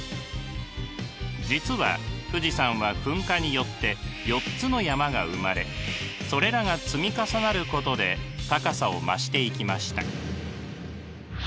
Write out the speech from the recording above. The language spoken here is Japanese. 実は富士山は噴火によって４つの山が生まれそれらが積み重なることで高さを増していきました。